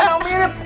ini emang mirip